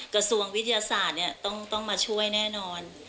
กระทรวงวิทยาศาสตร์ต้องมาช่วยแน่นอน